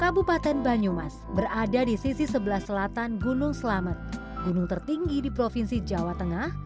kabupaten banyumas berada di sisi sebelah selatan gunung selamet gunung tertinggi di provinsi jawa tengah